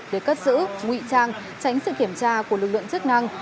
để cất giữ ngụy trang tránh sự kiểm tra của lực lượng chức năng